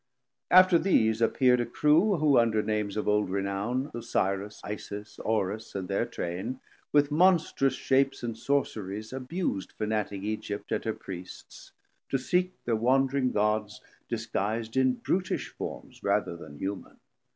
After these appear'd A crew who under Names of old Renown, Osiris, Isis, Orus and their Train With monstrous shapes and sorceries abus'd Fanatic Egypt and her Priests, to seek 480 Thir wandring Gods disguis'd in brutish forms Rather then human.